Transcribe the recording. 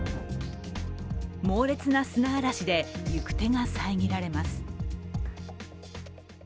猛烈な砂嵐で行く手が遮られます。